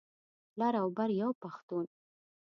لر او بر یو پښتون.